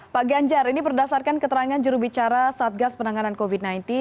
pak ganjar ini berdasarkan keterangan jurubicara satgas penanganan covid sembilan belas